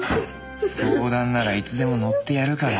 相談ならいつでも乗ってやるから。